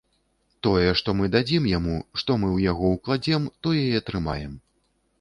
Тое, што мы дадзім яму, што мы ў яго ўкладзем, тое і атрымаем.